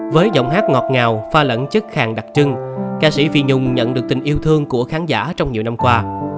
với giọng hát ngọt ngào pha lẫn chất hàng đặc trưng ca sĩ phi nhung nhận được tình yêu thương của khán giả trong nhiều năm qua